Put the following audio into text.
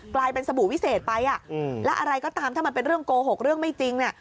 กลายเป็นสบู่วิเศษไปอ่ะแล้วอะไรก็ตามถ้ามันเป็นเรื่องโกหกเรื่องไม่จริงเนี่ย